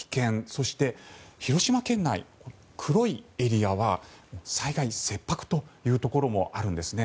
そして、広島県内、黒いエリアは災害切迫というところもあるんですね。